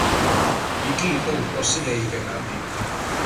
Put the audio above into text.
იგი იყო უფროსი ლეიტენანტი.